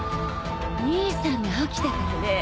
兄さんが起きたからね。